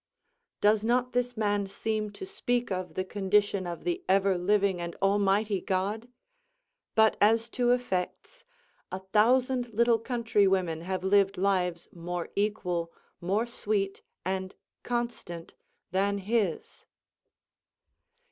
Does not this man seem to speak of the condition of the ever living and almighty God? But as to effects, a thousand little countrywomen have lived lives more equal, more sweet, and constant than his.